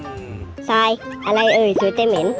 ทรายอะไรเอ่ยสวยแต่เหม็น